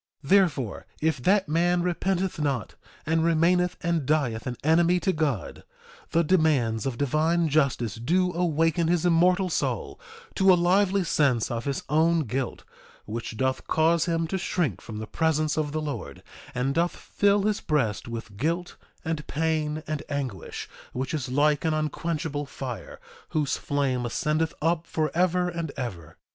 2:38 Therefore if that man repenteth not, and remaineth and dieth an enemy to God, the demands of divine justice do awaken his immortal soul to a lively sense of his own guilt, which doth cause him to shrink from the presence of the Lord, and doth fill his breast with guilt, and pain, and anguish, which is like an unquenchable fire, whose flame ascendeth up forever and ever.